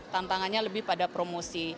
tantangannya lebih pada promosi